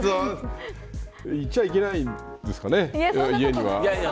いちゃいけないんですかね家には。